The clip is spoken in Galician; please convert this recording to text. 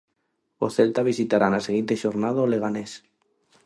O Celta visitará na seguinte xornada o Leganés.